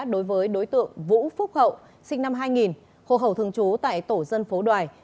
đối với đối tượng vũ phúc hậu sinh năm hai nghìn hộ khẩu thường trú tại tổ dân phố đoài